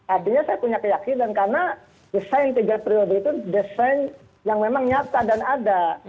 artinya saya punya keyakinan karena desain tiga periode itu desain yang memang nyata dan ada